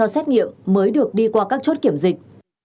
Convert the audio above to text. xét nghiệm mới được đi qua các chốt kiểm dịch